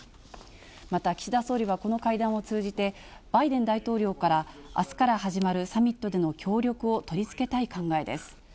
また岸田総理はこの会談を通じて、バイデン大統領からあすから始まるサミットでの協力を取り付けたい考えです。